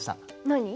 何？